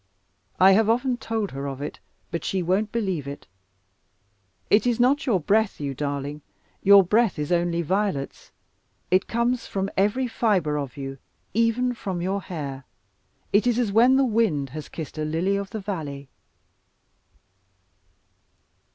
I have often told her of it, but she won't believe it. It is not your breath, you darling; your breath is only violets; it comes from every fibre of you, even from your hair; it is as when the wind has kissed a lily of the valley.